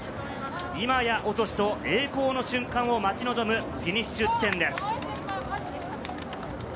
今や遅しと栄光の瞬間を待ち望むフィニッシュ地点です。